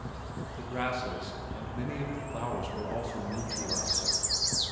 The grasses and many of the flowers were also new to us.